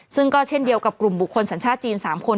ซึ่งก็เช่นเดียวกับกลุ่มบุคคลสัญชาติจีน๓คน